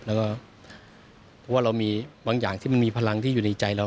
แล้วก็เพราะว่าเรามีบางอย่างที่มันมีพลังที่อยู่ในใจเรา